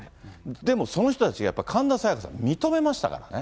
でも、その人たちが神田沙也加さんを認めましたからね。